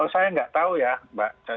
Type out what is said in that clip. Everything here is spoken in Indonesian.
saya nggak tahu ya mbak